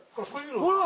ほら！